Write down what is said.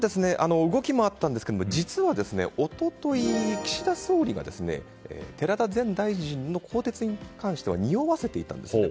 動きもあったんですが実は一昨日岸田総理が寺田前大臣の更迭についてにおわせていたんですね。